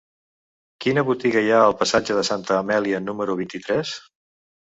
Quina botiga hi ha al passatge de Santa Amèlia número vint-i-tres?